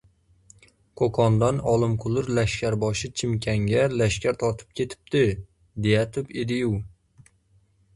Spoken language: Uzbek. — Qo‘qondan Olimquli lashkarboshi Chimkanga lashkar tortib ketibdi, deyatib edi-yu?